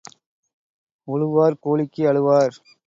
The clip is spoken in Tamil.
உழுவார் கூலிக்கு அழுவார்.